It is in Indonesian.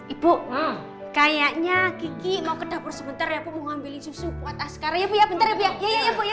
ibu kayaknya kiki mau ke dapur sebentar ya bu mau ngambil susu kuat as kar ya bu ya bentar ya bu ya ya ya ya ya